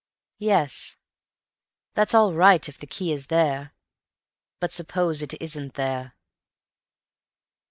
"Yes, that's all right if the key is there. But suppose it isn't there?"